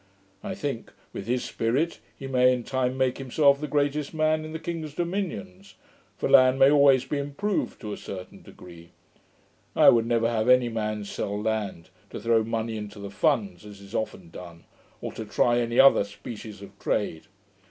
I think, with his spirit, he may in time make himself the greatest man in the king's dominions; for land may always be improved to a certain degree. I would never have any man sell land, to throw money into the funds, as is often done, or to try any other species of trade.